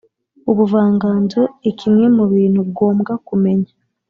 ubuvanganzo ikimwe mu bintu ugombwa kumenya